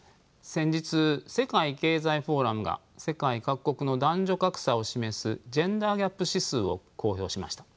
先日世界経済フォーラムが世界各国の男女格差を示すジェンダーギャップ指数を公表しました。